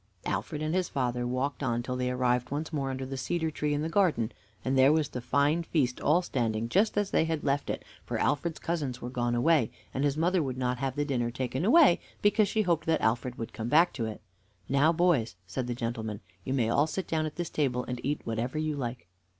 Alfred and his father walked on till they arrived once more under the cedar tree in the garden, and there was the fine feast all standing just as they had left it, for Alfred's cousins were gone away, and his mother would not have the dinner taken away, because she hoped that Alfred would come back to it. "Now, boys," said the gentleman, "you may all sit down to this table and eat whatever you like."